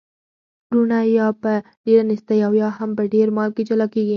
وروڼه یا په ډیره نیستۍ او یا هم په ډیر مال کي جلا کیږي.